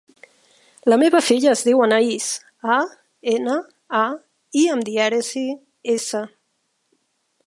La meva filla es diu Anaïs: a, ena, a, i amb dièresi, essa.